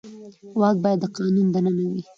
واک باید د قانون دننه وي